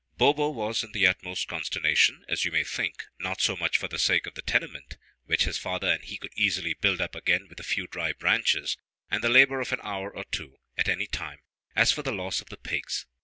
Bo bo was in the utmost consternation, as you may think, not so much for the sake of the tenement, which his father and he could easily build up again with a few dry branches, and the labor of an hour or two, at any time, as for the loss of the pigs.